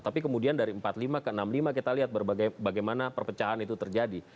tapi kemudian dari empat puluh lima ke enam puluh lima kita lihat bagaimana perpecahan itu terjadi